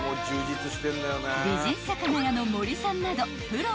［美人魚屋の森さんなどプロ